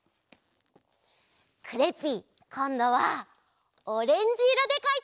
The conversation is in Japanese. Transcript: クレッピーこんどはオレンジいろでかいてみる！